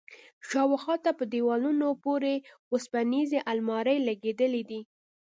شاوخوا ته په دېوالونو پورې وسپنيزې المارۍ لگېدلي دي.